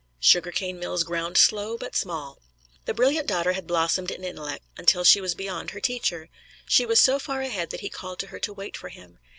Sugar cane mills ground slow, but small. The brilliant daughter had blossomed in intellect until she was beyond her teacher. She was so far ahead that he called to her to wait for him.